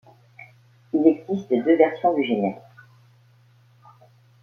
Il existe deux versions du générique.